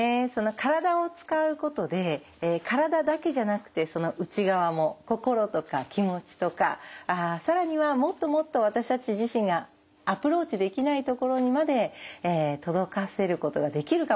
体を使うことで体だけじゃなくてその内側も心とか気持ちとか更にはもっともっと私たち自身がアプローチできないところにまで届かせることができるかもしれない。